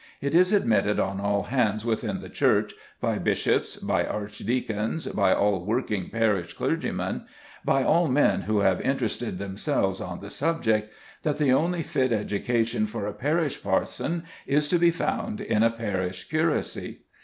It is admitted on all hands within the church, by bishops, by archdeacons, by all working parish clergymen, by all men who have interested themselves on the subject, that the only fit education for a parish parson is to be found in a parish curacy.